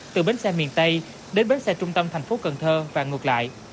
từ bến xe miền tây đến bến xe trung tâm thành phố cần thơ và ngược lại